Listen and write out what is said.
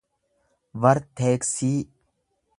varteeksii